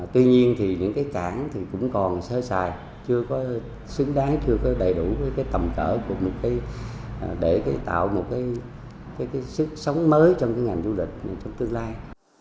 tuy nhiên thì những cái cảng thì cũng còn sơ sài chưa có xứng đáng chưa có đầy đủ cái tầm cỡ để tạo một cái sức sống mới trong cái ngành du lịch trong tương lai